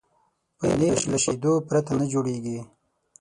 پنېر له شیدو پرته نه جوړېږي.